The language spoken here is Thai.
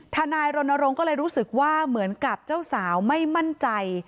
ทนายรณรงค์ก็เลยรู้สึกว่าเหมือนกับเจ้าสาวไม่มั่นใจ